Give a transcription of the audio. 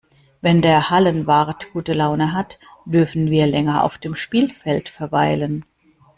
Wenn der Hallenwart gute Laune hat, dürfen wir länger auf dem Spielfeld verweilen.